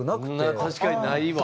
確かにないわ。